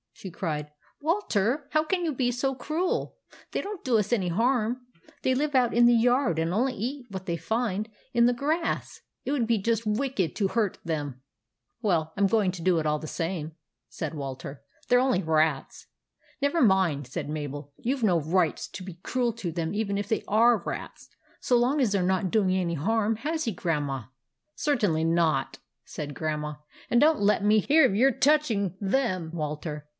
she cried. " Walter, how can you be so cruel ? They don't do us any harm. They live out in the yard, and only eat what they find in the \ ioo THE ADVENTURES OF MABEL grass. It would be just wicked to hurt them !"" Well, I 'm going to do it all the same," said Walter. " They 're only rats." " Never mind," said Mabel ;" you Ve no right \S be cruel to them even if they are rats, so long as they 're not doing any harm, has he, Grandma ?"" Certainly not," said Grandma ;" and don't let me hear of your touching them, Walter.